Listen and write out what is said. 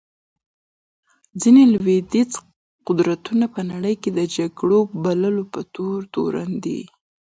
ځینې لوېدیځ قدرتونه په نړۍ کې د جګړو بلولو په تور تورن دي.